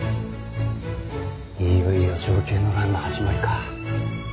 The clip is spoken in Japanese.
いよいよ承久の乱の始まりか。